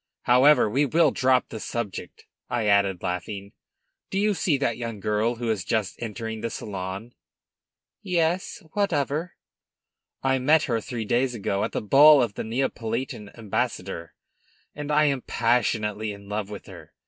However, we will drop the subject," I added, laughing. "Do you see that young girl who is just entering the salon?" "Yes, what of her?" "I met her, three days ago, at the ball of the Neapolitan ambassador, and I am passionately in love with her.